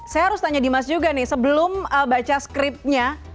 saya harus tanya di mas juga nih sebelum baca skripnya